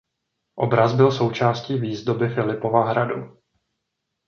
Obraz byl součástí výzdoby Filipova hradu.